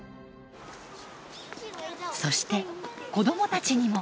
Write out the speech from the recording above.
そして子どもたちにも。